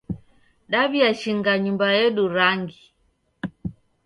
Daw'iashinga nyumba yedu rangi